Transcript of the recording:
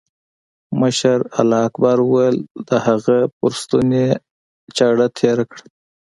مشر الله اکبر وويل د هغه پر ستوني يې چاړه تېره کړه.